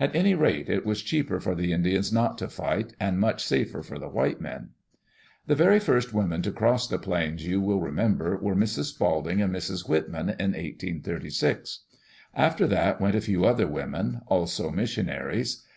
At any rate, it was cheaper for the Indians not to fight, and much safer for the white men. The very first women to cross the plains, you will remember, were Mrs, Spalding and Mrs. Whitman in 1836. After that went a few other women, also mission aries.